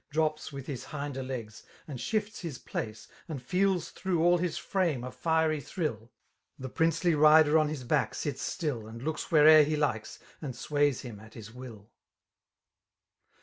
Drops with his hinder l^f and ainfits his {dace. And feels tiinHlg^^ai btf fnuae a* fieiy tbrlll'. The princely riiier on his bade sits stilly And looks where'er he likes, and sways hun at Us; will.